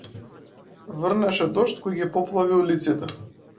Врнеше дожд кој ги поплави улиците.